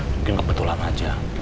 mungkin kebetulan aja